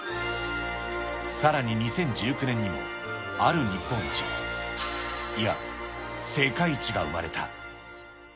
さらに２０１９年にも、ある日本一が、いや、世界一が生まれた。